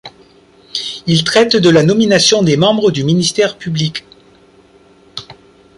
Il traite de la nomination des membres du ministère public.